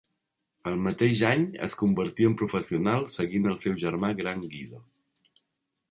El mateix any es convertí en professional, seguint el seu germà gran Guido.